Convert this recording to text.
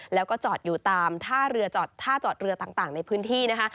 แล้วก็จอดอยู่ตามท่าจอดเรือต่างในพื้นที่นะคะ